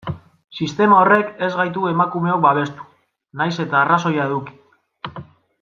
Sistema horrek ez gaitu emakumeok babestu, nahiz eta arrazoia eduki.